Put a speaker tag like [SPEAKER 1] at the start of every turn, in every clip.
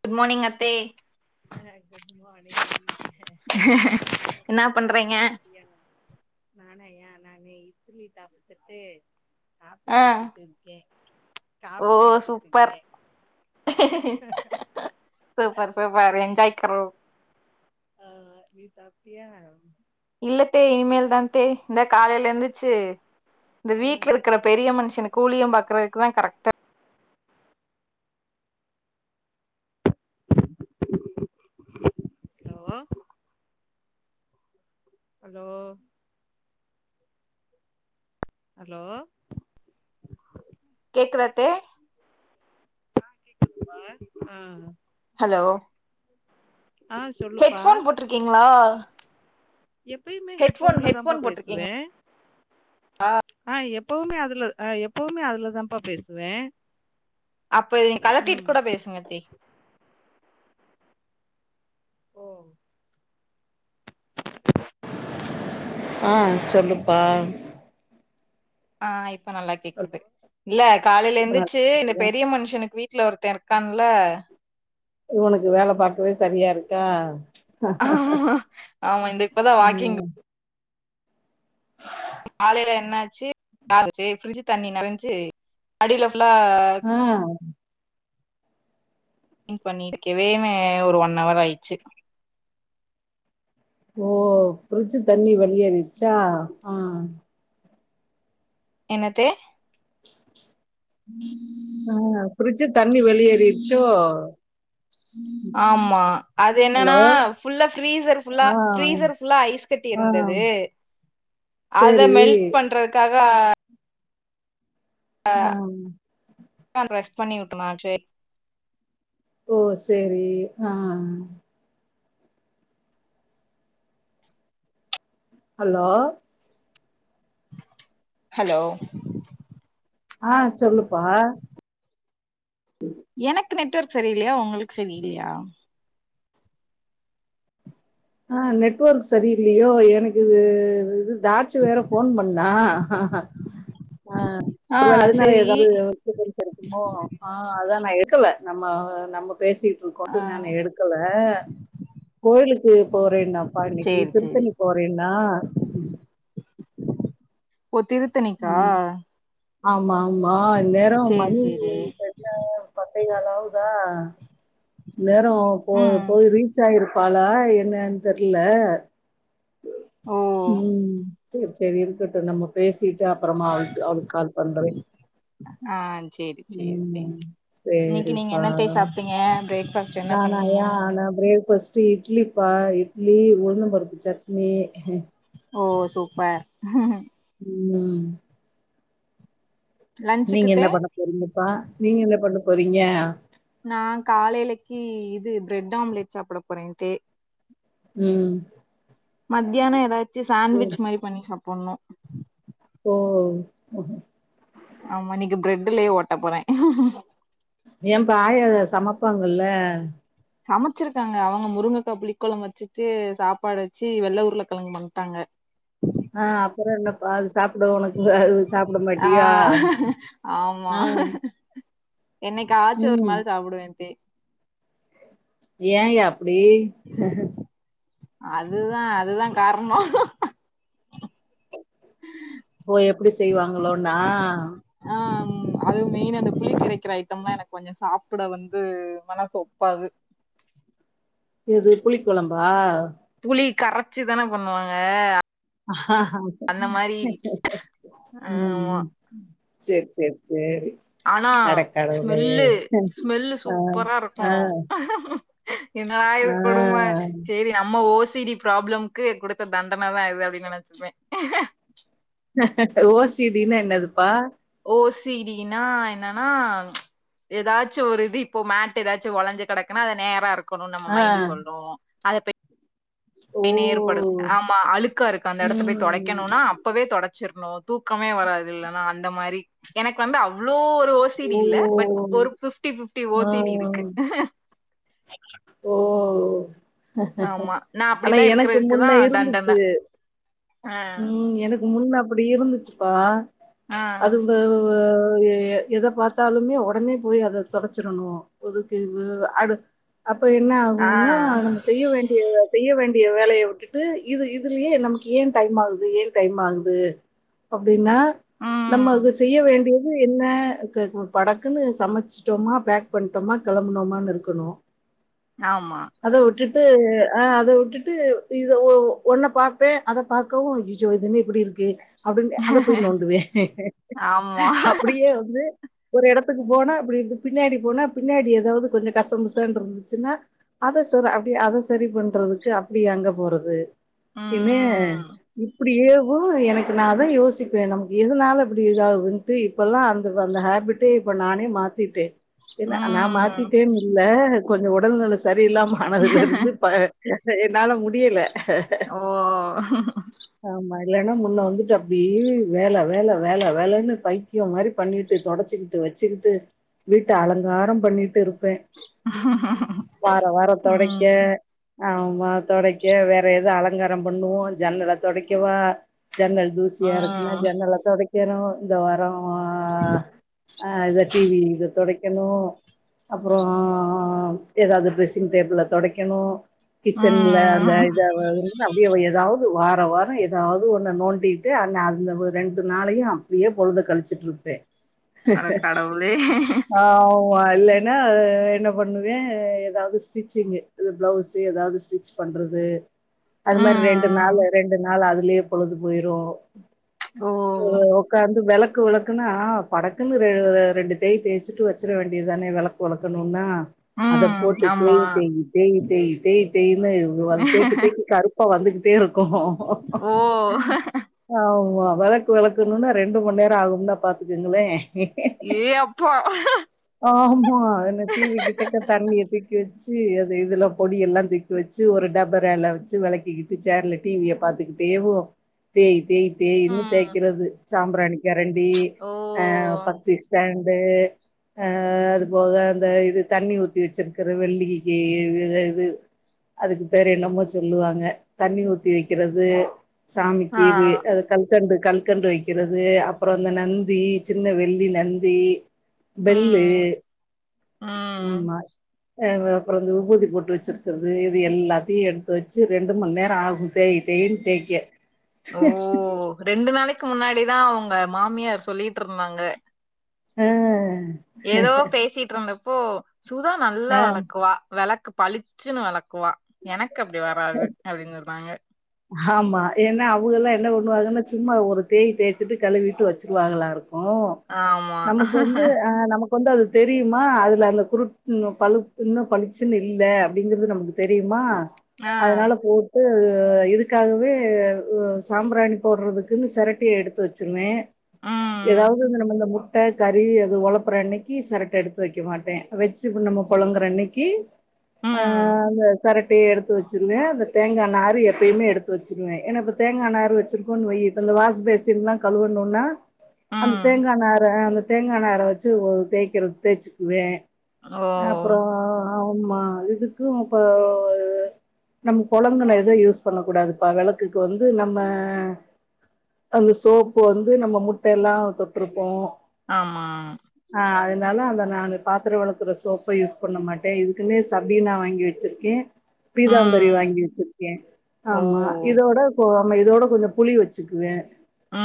[SPEAKER 1] Good morning அத்தே
[SPEAKER 2] அ good morning என்ன பண்ற சாப்டியா நானாயா நானு இத்லி சாப்த்துட்டு காப்பி
[SPEAKER 1] ஆ
[SPEAKER 2] குடுச்சுட்டு இருக்கே
[SPEAKER 1] ஓ
[SPEAKER 2] காபி
[SPEAKER 1] ஓ
[SPEAKER 2] குடிச்சிட்டு
[SPEAKER 1] சூப்பர்
[SPEAKER 2] இருக்கே
[SPEAKER 1] சூப்பர் சூப்பர் எங் [unintelligible]
[SPEAKER 2] ஆ நீ சாப்டியா
[SPEAKER 1] இல்லத்தே இனிமேல் தாந்தே இந்த காலைல எந்துச்சு இந்த
[SPEAKER 2] ஆ
[SPEAKER 1] வீட்ல இருக்ற பெரிய மனுஷனு கூலியம் பாக்குறதுக்குதா கரெக்டட்
[SPEAKER 2] ஹலோ ஹலோ ஹலோ
[SPEAKER 1] கேக்குதாத்தே
[SPEAKER 2] ஆ கேக்குது பா அ
[SPEAKER 1] ஹலோ
[SPEAKER 2] ஆ சொல்லுப்பா
[SPEAKER 1] ஹெட்ஃபோன் போட்ருகீங்ளா
[SPEAKER 2] எப்பயுமே ஹெட்ஃபோன்லதாம்பா
[SPEAKER 1] போட்டிருக்கீங்க
[SPEAKER 2] பேசுவே அ எப்பவுமே அதுல அ எப்பவுமே அதுலதாம்பா பேசுவே
[SPEAKER 1] அப்ப இத நீங் கலட்டிட்டு
[SPEAKER 2] ம்
[SPEAKER 1] கூட பேசுங்கத்தே
[SPEAKER 2] ஓ ஆஹ் சொல்லுப்பா
[SPEAKER 1] ஆ இப்ப நல்லா கேக்குது
[SPEAKER 2] இப்ப
[SPEAKER 1] இல்ல காலெல
[SPEAKER 2] நல்லா
[SPEAKER 1] எந்திச்சு இந்த
[SPEAKER 2] இருக்கியா
[SPEAKER 1] பெரிய மன்ஷனுக்கு வீட் வீட்டுல ஒருத்தே இருக்கான்ல
[SPEAKER 2] உனக்கு வேல பாக்கவே செரியா இருக்கா
[SPEAKER 1] ஆ ஆமா இந்த இப்பதா வாக்கிங்
[SPEAKER 2] ஆமா
[SPEAKER 1] காலேல என்னாச்சு [unintelligible] ஃபிரிஞ்சு தண்ணி நெரஞ்சு அடில ஃபுல்லா
[SPEAKER 2] அ
[SPEAKER 1] க்ளின் பண்ணிர்கவே ஒரு ஒன் அவர் ஆய்ச்சு
[SPEAKER 2] ஓ ப்ரிச்சு தண்ணி வெளியேறிற்ச்சா ஆ
[SPEAKER 1] என்னத்தே
[SPEAKER 2] ஆஹ் ஃப்ரிச்சு தண்ணி வெளியேறிற்ச்சோ
[SPEAKER 1] ஆமா அது என்னனா ஃபுல்லா ஃப்ரீசர் ஃபுல்லா
[SPEAKER 2] ஆ
[SPEAKER 1] ஃப்ரீசர் ஃபுல்லா ஐஸ் கட்டி
[SPEAKER 2] ஆ
[SPEAKER 1] இருந்து து அத
[SPEAKER 2] சரி
[SPEAKER 1] மெல்ட் பண்றக்காக ஆ பட்டான் ப்ரெஸ் பண்ணி உட்டனா ட்ரே
[SPEAKER 2] ஓ செரி ஆ அலோ
[SPEAKER 1] ஹலோ
[SPEAKER 2] ஆ சொல்லுப்பா
[SPEAKER 1] எனக்கு நெட்வர்க் சரியில்லயா உங்களுக் சரியில்லயா
[SPEAKER 2] ஆ நெட்ஒர்க் சரியில்லியோ எனக்கு இது இது தாச்சு வேற ஃபோன் பண்ணா ஆஹ்
[SPEAKER 1] ஆ
[SPEAKER 2] ஒரு வேல அதுனால
[SPEAKER 1] சரி
[SPEAKER 2] ஏதாவ்து டிஸ்டபன்ஸ் இருக்குமோ ஆஹ் அதா நா எடுக்கல நம்ம நம்ம பேசிடு
[SPEAKER 1] ஆ
[SPEAKER 2] இருக்கோன்ட் நானு எடுக்கல கோயிலுக்கு போறேனாப்பா இன்னிக்கி
[SPEAKER 1] சேரி சேரி
[SPEAKER 2] திருத்தணி போறேன்னா
[SPEAKER 1] ஓ திருத்தணிக்கா
[SPEAKER 2] ம், ஆமா ஆமா இந்நேரோ
[SPEAKER 1] சேரி
[SPEAKER 2] மணி
[SPEAKER 1] சேரி
[SPEAKER 2] தெர்ல ஒரு பத் பத்தேகால் ஆவுதா இந்நேரோ போ
[SPEAKER 1] ம்
[SPEAKER 2] போய் ரீச் ஆய்ருக் பாலா என்னனு தெர்ல
[SPEAKER 1] ஓ
[SPEAKER 2] செர் செரி இருக்கட்டு நம்ம பேசிட்டு அப்றமா அவ்ளுக் அவ்ளுக்கு கால் பண்றே
[SPEAKER 1] ஆ செரி செரி தேங்க் இன்னிக்கி நீங்க
[SPEAKER 2] சரிப்பா
[SPEAKER 1] என்னத்தே சாப்டீங்க பிரேக்ஃபஸ்
[SPEAKER 2] நானாயா ஆனா பிரே ஹெஃபஸ்ட் இட்லிப்பா இட்லி உளுந்தம் பருப்பு சட்னி
[SPEAKER 1] ஓ சூப்பர்
[SPEAKER 2] ம்
[SPEAKER 1] லன்ச்சுக்கு
[SPEAKER 2] நீங்க
[SPEAKER 1] தே
[SPEAKER 2] என்ன பண்ண போறீங்கப்பா நீங்க என்ன பண்ண போறீங்க
[SPEAKER 1] நா காலைலக்கி இது பிரெட் ஆம்லேட் சாப்ட போறேன்த்தே
[SPEAKER 2] ம்
[SPEAKER 1] மத்யானம் ஏதாச்சி சாண்விச் மாறி பண்ணி சாப் ஒன்னு
[SPEAKER 2] ஓ உஹ்
[SPEAKER 1] இதுலயே ஓட்டப்போறே
[SPEAKER 2] ஏம்பா ஆயா ஏதாது சமப்பாங்கல்ல
[SPEAKER 1] சமச்சிருக்காங்க அவுங்க முருங்கக்கா புளி கொழம்பு வச்சிட்டு சாப்பாடு வச்சு வெள்ள உருள கெழங்கு பண்ட்டாங்க
[SPEAKER 2] ஆ அப்றோ என்ன அது சாப் அத ஒனக்கு அது சாப்ட
[SPEAKER 1] ஆ
[SPEAKER 2] மாட்டியா
[SPEAKER 1] ஆமா
[SPEAKER 2] ஆ
[SPEAKER 1] என்னைக்காச்சு ஒரு
[SPEAKER 2] ம்
[SPEAKER 1] நாள் சாப்டுவே அத்தே
[SPEAKER 2] ஏயா அப்டி
[SPEAKER 1] அதுதா அதுதா கார்னோ
[SPEAKER 2] ஓ எப்டி செய்வாங்ளோன்னா
[SPEAKER 1] ம் அது மெய்ன் அந்த புளி கரைக்குற ஐட்டம்லா எனக்கு கொஞ்சோ சாப்புட வந்து மனசு ஒப்பாது
[SPEAKER 2] எது புளி கொழம்பா
[SPEAKER 1] புளி கரச்சி தான பண்ணுவாங்க அந்த மாரி
[SPEAKER 2] ம்
[SPEAKER 1] ஆமா
[SPEAKER 2] ம் செர் செர் சேரி
[SPEAKER 1] ஆனா
[SPEAKER 2] அடக்கடவுளே
[SPEAKER 1] ஸ்மெல்லு ஸ்மெல்லு
[SPEAKER 2] அ
[SPEAKER 1] சூப்பரா இருக்கு
[SPEAKER 2] அ
[SPEAKER 1] என்னடா இது கொடும சேரி நம்ம ஓ சி டி ப்ராப்ளம்க்கு குடுத்த தண்டன தா இது அப்டின் நெனச்சுப்பே
[SPEAKER 2] ஓ சி டி னா என்னதுப்பா
[SPEAKER 1] ஓ சி டி னா என்னனா எதாச்சு ஒரு இது இப்போ மேட் எதாச்சு ஒளஞ்சு கெடக்குனா அது நேரா இருக் கணுன் நம்ம
[SPEAKER 2] ஆ
[SPEAKER 1] மைண்ட் சொல்லு அத போய்
[SPEAKER 2] ஓ
[SPEAKER 1] நேர்படு ஆமா அழுக்கா இருக்கு அந்த எடத்த போய்
[SPEAKER 2] ம்
[SPEAKER 1] தொடைக்கணுனா அப்பவே தொடச் சுர்னு தூக்கமே வராது இல்லனா அந்த மாரி எனக்கு வந்து அவ்ளோ ஓ சி டி இல்ல பட் ஒரு ஃபிஃப்டி ஃபிஃப்டி ஓ
[SPEAKER 2] ஆ
[SPEAKER 1] சி டி இருக்கு
[SPEAKER 2] ஓ
[SPEAKER 1] ஆமா நா
[SPEAKER 2] ஆனா
[SPEAKER 1] அப்டிலா
[SPEAKER 2] எனக்கு
[SPEAKER 1] இருக்கறதுக்குதா
[SPEAKER 2] முன்ன இருந்துச்சு
[SPEAKER 1] தண்டன ஆ
[SPEAKER 2] ம் எனக்கு முன்ன அப்பிடி இருந்துச்சுப்பா
[SPEAKER 1] ஆ
[SPEAKER 2] அது வ எத பாத்தாலுமே ஒடனே போய் அத தொடச்சிரணு ஒதுக்கு இத அடு அப்ப என்ன
[SPEAKER 1] ஆ
[SPEAKER 2] ஆகுன்னா நம்ம செய்ய வேண்டிய செய்ய வேண் டிய வேலைய உட்டுட்டு இது இதுலயே நமக்கு ஏ டைம் ஆகுது ஏ டைம் ஆகுது அப்டினா நம்ம
[SPEAKER 1] ம்
[SPEAKER 2] அது செய்ய வேண்டியது என்ன க ப படக்குனு சமைச்சிட்டோமா பேக் பண்ணிட்டோமா கெளம்புனோமானு இருக்கணு
[SPEAKER 1] ஆமா
[SPEAKER 2] டு அத விட்டுட்டு இத ஒ ஒன்ன பாப்பே அத பாக்கவு அயயோ இது என்ன இப்பிடி இருக்கு அப்டின் அத போய் நோண்டுவே
[SPEAKER 1] ஆமா
[SPEAKER 2] அப்பிடியே வந்து ஒரு எடத்துக்கு போனா அப்டி இரு பின்னாடி போனா பின்னாடி எதாவுது கொஞ்ச கசமுச தன் இருந்துச்சுனா அத சர் அப்டியே அத சரி பண்றதுக்கு அப்டியே அங்க போறது என்னே
[SPEAKER 1] ம்
[SPEAKER 2] இப்டியே ஓ எனக்கு நா அதா யோசிப்பே நமக்கு எதனால இப்பிடி இதாகதுன்ட்டு இப்பல்லா அந்த அந்த ஹேபிட்டே இப்ப நானே மாத்திட்டே என்ன நா
[SPEAKER 1] ம்
[SPEAKER 2] மாத்திட்டேன் கொஞ்ச உடல்நில சரியில்லாம ஆனதுல இருந்து ப என்னால முடியல
[SPEAKER 1] ஓ
[SPEAKER 2] ஏனா முன்ன வந்துட்டு அப்டீ வேல வேல வேல வேலனு பைத்திய மாரி பண்ணிட்டு தொடச்சிகிட்டு ச்சுகிட்டு வீட்ட அலங்கார பண்ணிட்டுருப்பே வார வார தொடைக்க
[SPEAKER 1] ம்
[SPEAKER 2] ஆமா தொடைக்க வேற எதோ அலங்கார பண்ணுவோ ஜன்னல தொடைக்கவா ஜன்னல் தூசியா இருக்குனா
[SPEAKER 1] ம்
[SPEAKER 2] ஜன்னல தொடைக்கிறோ இந்த வர
[SPEAKER 1] உஹ
[SPEAKER 2] ஆ இத டி வி இத தொடைக்கணு அப்பறொ ஆ எதாவுது ட்ரெஸ்ஸிங் டேபிள தொடைக்கணு கிச்சன்ல அந்த
[SPEAKER 1] ம்
[SPEAKER 2] இத அப்டியே எதாவுது வார வார எதாவுது ஒன்ன நோண்டிட்டு அந் அந்த ரெண்டு நாளையு அப்டியே பொழுத கழிச்சுட்ருப்பே
[SPEAKER 1] அட கடவுளே
[SPEAKER 2] ஆமா இல்லைனா என்ன பண்ணுவே எதாவுது ஸ்டிச்சிங்கு இ பிளவுஸ் எதாவுது ஸ்டிச் பண்றது அது மாரி ரெண்டு
[SPEAKER 1] ம்
[SPEAKER 2] நாளு ரெண்டு நாளு அதுலயே பொழுது போயிரு ஓ
[SPEAKER 1] ஓ
[SPEAKER 2] ஒக்காந்து வெளக் கு வெளக்குனா படக்குனு ரெ ரெண்டு தேய் தேச்சிட்டு வெச்சிர வேண்டியதானே வெளக்கு வெளக்கணுனா அத
[SPEAKER 1] ம்
[SPEAKER 2] போட்டு தேய்
[SPEAKER 1] ஆமா
[SPEAKER 2] தேயி தேய் தேயி தேய் தேய் னு தேக்க தேக்க கருப்பா வந்துகிட்டே இருக்கு
[SPEAKER 1] ஓ
[SPEAKER 2] ஆமா வெளக்கு வெளக்கணுனா ரெண்டு மண் நேர ஆகும்னா பாத்துக்குங்களே
[SPEAKER 1] ஏ அப்பா
[SPEAKER 2] உ அ ச்சி அது இதலா பொடியெல்லா தூக்கி வச்சு ஒரு டபரால வச்சு வெளக்கிகிட்டு சேர்ல டிவிய பாத்துகிட் தேவோ தேய் தேய் தேய்ன்னு
[SPEAKER 1] ம்
[SPEAKER 2] தேய்க்கறது சாம்ராணி கெரண்டி
[SPEAKER 1] ஓ
[SPEAKER 2] அ பத்தி ஸ்டேண்ட் து அ அது போக அந் த இது தண்ணி ஊத்தி வச்சிருக்குற வெள்ளிக்கு இது அதுக்கு பேர் என்னமோ சொல்லுவாங்க தண்ணி ஊத்தி வக்கிறது
[SPEAKER 1] ஆ
[SPEAKER 2] சாமிக்கு வி அ கல்கண்டு கல்கண்டு வக்கிறது அப்ற அந்த நந்தி சின்ன வெள்ளி நந்தி பெல்லு
[SPEAKER 1] ம் ம்
[SPEAKER 2] ஆமா அ வ அப்ற வந்து உபூதி பொட்டு வச்சிருக்கிறது இது எல்லாத்தியு எடுத்து வச்சு ரெண்டு மண்ணேர ஆகு தேய் தேய் தேய்ன் தேக்க
[SPEAKER 1] ஓ ரெண்டு நாளைக்கு முன்னாடிதா உங்க மாமியார் சொல்லிட்ருந்தாங்க
[SPEAKER 2] அ
[SPEAKER 1] ஏதோ பேசிட்ருந்தப்போ சுதா நல்லா
[SPEAKER 2] அஹ்
[SPEAKER 1] வெளக்குவா வெளக்கு பளிச்சுன்னு வெளக் குவா எனக்கு அப்டி வராது அப்டின் சொன்னாங்க
[SPEAKER 2] ஆமா ஏன்னா அவுகலா என்ன பண்ணுவாங்கன்னு சும்மா ஒரு தேய் தேச்சிட்டு கழுவிட்டு வச்சிருவாங்களாருக் ஓ
[SPEAKER 1] ஆமா
[SPEAKER 2] நமக்கு வந்து அ நமக் கொண்டு அது தெரியுமா அதில அருல குருட் ம் பளுப் இன்னு பளிச்சுன்னு இல்ல அப்டிங்கிறது நமக்கு தெரியுமா
[SPEAKER 1] ஆ
[SPEAKER 2] அதனால போட்டு அது இ இதுக்காகவே இவ் சாம்பிராணி போட்றதுக்குன்னு செரட்டி எடுத்து வச்சுருந்தே
[SPEAKER 1] ம்
[SPEAKER 2] ஏதாவது நம்ம இந்த மு ட்ட கறி அது ஒளப்பற அன்னைக்கி செரட்ட எடுத்து வக்க மாட்டே வச்சு இப்ப நம்ம பொழுங்கற அன்னைக்கி அ
[SPEAKER 1] ம்
[SPEAKER 2] அந்த செரட்டைய எடுத்து வச்சிருவே அந்த தேங்கா நாறு எப் எப்பியுமே எடுத்து வச்சிருவே ஏன இப்ப தேங்கா நாறு வச்சிருக்கோனு வை இந்த வாஷ்பேசின்லா கழுவணுனா அந்த
[SPEAKER 1] ம்
[SPEAKER 2] தேங்கா நார அந்த தேங்கா நார வச்சு ஒரு தேய்க்கிற தேய்ச்சுக்குவே
[SPEAKER 1] ஓ
[SPEAKER 2] ஆமா இதுக்கு இப்ப நம்ம பொழங்கன எத யூஸ் பொண்ண கூடாதுப்பா வெளக்குக்கு வந்து நம்ம அந்த சோப்பு வந்து நம்ம முட்டையெல்லா தொட்ருப்போ
[SPEAKER 1] ஆமா
[SPEAKER 2] அதனால அத நானு பாத்திர வெளக்குற சோப்ப யூஸ் பண்ண மாட்டே இதுக்குமே சபினா வாங்கி வச்சிருக்கே பீதாம்பரி
[SPEAKER 1] ம்
[SPEAKER 2] வாங்கி வச்சிருக்கே
[SPEAKER 1] ஓ
[SPEAKER 2] ஆமா இதோட போம இதோட கொஞ்ச புளி வச்சுக்குவே
[SPEAKER 1] ம்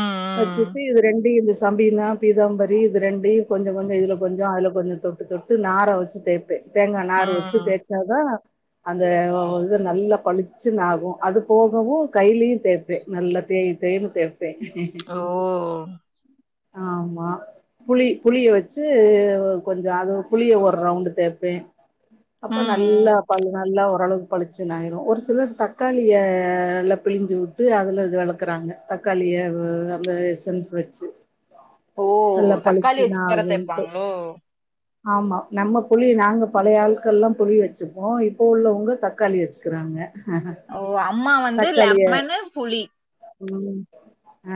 [SPEAKER 1] ம்
[SPEAKER 2] வச்சுட்டு இது ரெண்டியு இந்த சம்பீனா பீதாம்பரி இது ரெண்டியு கொஞ்ச கொஞ்ச இதல கொஞ்ச அதல கொஞ்ச தொட்டு தொட்டு நார வச்சு தேய்ப்ப தேங்கா நாறு வச்சு
[SPEAKER 1] ம்.
[SPEAKER 2] தேச்சாதா அந்தஒ இது நல்லா பளிச்சுனாகு அது போகவு கையிலியு தேப்பே நல்ல தேயி தேய்னு தேப்
[SPEAKER 1] ஓ
[SPEAKER 2] ஆமா புளி புளிய வச்சு கொஞ்ச அது புளிய ஒரு ரவுண்டு் தேப்பே அப்ப நல்லா
[SPEAKER 1] ம்.
[SPEAKER 2] ப நல்லா ஒரளவுக்கு பளிச்சுனாயிரு ஒரு சிலர் தக் காளிய நல்லா பிழிஞ்சு வுட்டு அதல வெளக்கறாங்க தக்காளிய வெ அந்த சென் சென் வச்சு
[SPEAKER 1] ஓ!
[SPEAKER 2] நல்லா
[SPEAKER 1] தக்காளி வச்சு வேற
[SPEAKER 2] பளிச்சுனாகுன்ட்டு
[SPEAKER 1] தேப்பாங்களோ?
[SPEAKER 2] ஆமா நம்ம புளி நாங்க பழைய ஆள்கள்லா புளி வச்சுப்போ இப்போவுள்ளவங்க தக்காளி வச்சுகிறாங்க அ
[SPEAKER 1] ஓ அம்மா வந்து லெமனு புளி
[SPEAKER 2] ம் அ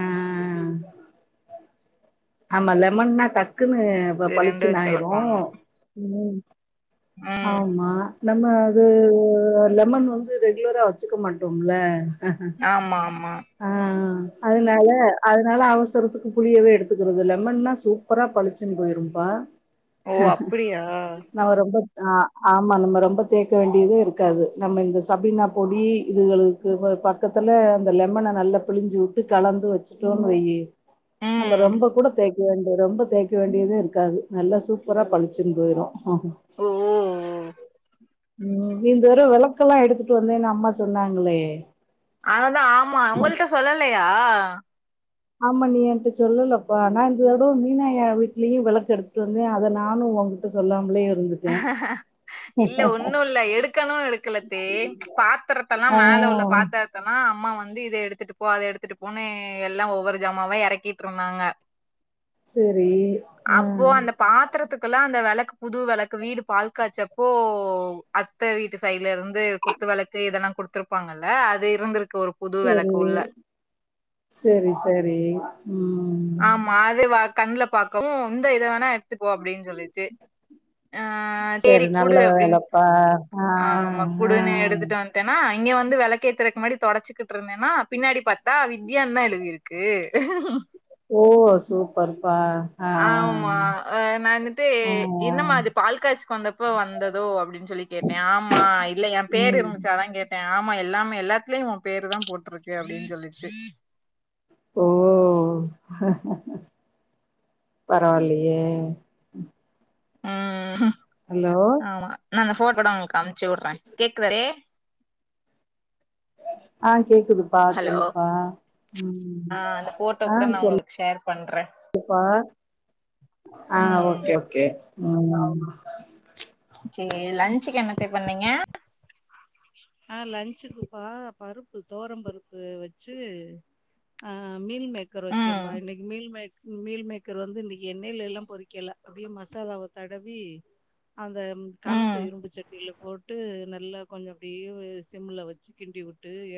[SPEAKER 2] ஆமா லெமன்னா டக் க்குனு
[SPEAKER 1] இது வச்சு
[SPEAKER 2] பளிச்சுனாயிரு
[SPEAKER 1] இளக்குவாங்க.
[SPEAKER 2] உம்
[SPEAKER 1] ம்.
[SPEAKER 2] ஆமா நம்ம அது லெமன் வந்து ரெகுலராக வச்சுக்க மாட்டோம்ல
[SPEAKER 1] ஆமா, ஆமா.
[SPEAKER 2] ஆ அதனால அதனால அவசரத்துக்கு புளியவே எடுத் துக்கிறது லெமன்னா சூப்பரா பளிச்சுன்னு போயிரும்ப்பா
[SPEAKER 1] ஓ! அப்படியா?
[SPEAKER 2] நா ரொம்ப ஆ ஆமா நம்ம ரொம்ப தேக்க வேண்டியதே இருக்காது நம்ம இந்த சபினா பொடி இதுகளுக்கு பக்கத்துல அந்த லெமன நல்லா பிழிஞ்சு விட்டு கலந்து வச்சுட்டோன்னு வையி நம்ம
[SPEAKER 1] ம்.
[SPEAKER 2] ரொம்ப ரொம்ப கூட தேக்க வேண்டிது ரொம்ப தேக்க வேண்டியதே இருக்காது நல்லா சூப்பரா பளிச்சுன்னு போயிரு ஆஹ
[SPEAKER 1] ஓ!
[SPEAKER 2] ம் இந்த தரவ வெளக்கெல்லா எடுத்துட்டு வந்தேன்னு அம்மா சொன்னாங்களே
[SPEAKER 1] அததா ஆமா உங்கள்ட்ட சொல்லலையா
[SPEAKER 2] ஆமா நீ என்ட்ட சொல்லலப்பா நா இந்த தடவ மீனய்யா வீட்லயு வெளக்கு எடுத்துட்டு வந்தே அத நானு ஒங்கிட்ட சொல்லாமலே இருந்துட்டே
[SPEAKER 1] இல்ல ஒன்னு இல்ல எடுக்கணும்னு எடுக்கலேத்தே பாத்திரத்தல்லா
[SPEAKER 2] ஆ
[SPEAKER 1] மேல உள்ள பாத்திரத்தல்லா அம்மா வந்து இத எடுத்துட்டு போ அத எடுத்துட்டு போன்னு எல்லா ஒவ்வொரு ஜாமாவா எறக்கிட்டு இருந்தாங்க
[SPEAKER 2] சரி. ஆ
[SPEAKER 1] அப்போ அந்த பாத்தரத்துக்குள்ள அந்த வெளக்கு புது வெளக்கு வீடு பால் காச்சப்போ அத்த வீட்டு சைட்ல இருந்து குத்துவெளக்கு இதெல்லா குடுத்துருப்பாங்க ல்ல அது இருந்துருக்கு ஒரு புது வெளக்கு உள்ள
[SPEAKER 2] செரி செரி
[SPEAKER 1] ஆமா அது வா கண்ல பாக்கவு இந்த இத வேணா எடுத்துப் போ அப்டின்னு சொல்லிச்சு ஆ செரி
[SPEAKER 2] சரி நல்ல
[SPEAKER 1] குடு அப்டின்னு
[SPEAKER 2] வேலப்பா. ஆ,
[SPEAKER 1] ஆமா
[SPEAKER 2] ஆ.
[SPEAKER 1] குடுன்னு எடுத்துட்டு வந்துட்டேன்னா இங்க வந்து வெளக்கேத்தறக்கு முன்னாடி தொடச்சுக்கிட்டு இருந்தேன்னா பின்னாடி பாத்தா வித்யான்னுதா எழுதிருக்கு
[SPEAKER 2] ஓ சூப்பர்
[SPEAKER 1] ஆமா ஆ நானுட்டு
[SPEAKER 2] ஆ.
[SPEAKER 1] என்னம்மா அது பால் காச்சுக்கு வந்தப்போ வந்ததோ அப்டின் னு சொல்லி கேட்டே ஆமா இல்ல ஏ பேர்
[SPEAKER 2] ம்.
[SPEAKER 1] இருந்துச்சு அதா கேட்டே ஆ மா எல்லாமே எல்லாத்துலயு ஒ பேருதா போட்ருக்கு அப்டின்னு சொல்லிச்சு
[SPEAKER 2] ஓ பரவாயில்லயே
[SPEAKER 1] ம்
[SPEAKER 2] ஹலோ!
[SPEAKER 1] ஆமா நா இந்தா போட்டு உடுங் உங்களுக் அமிச்சுவுட்றே கேக்குதாறே
[SPEAKER 2] ஆ கேக்குதுப்பா சொல்லுப்பா ம்.
[SPEAKER 1] ஆ அந்த ஃபோட்டோ கூட நா உங்களுக்கு ஷேர் பண்
[SPEAKER 2] சரிப்பா ஆ
[SPEAKER 1] ம்.
[SPEAKER 2] ஓகே ஓகே ம்
[SPEAKER 1] த்த பண்ணீங்க
[SPEAKER 2] ஆ லன்ச்சுக்குப்பா பருப்பு தொவரம் பருப்பு வச்சு ஆ மீல் மேக்கர்
[SPEAKER 1] ம்.
[SPEAKER 2] வச்சேப்பா இன்னைக்கி மீல் மேக் மீல் மேக்கர் வந்து இந்த எண்ணெயில எல்லா பொறிக்கல அப்டியே மசாலாவ தடவி அந்த கணத்து
[SPEAKER 1] ம்.
[SPEAKER 2] இரும்பு சட்டியில போட்டு நல்லா கொஞ்சோ அப்டிய சிம்ல வச்சு கிண்டிவுட்டு எட்